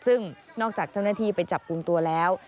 ซึ่งนอกจากเจ้าหน้าที่ไปจับกลุ่มตัวแล้ว